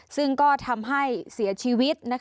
ซึ่งก็ทำให้เสียชีวิต